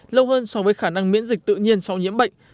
lâu hơn so với khả năng miễn dịch tự nhiên sau nhiễm bệnh